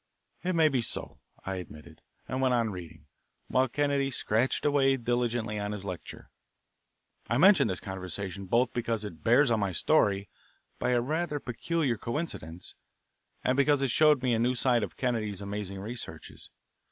"It may be so;" I admitted, and went on reading, while Kennedy scratched away diligently on his lecture. I mention this conversation both because it bears on my story, by a rather peculiar coincidence, and because it showed me a new side of Kennedy's amazing researches.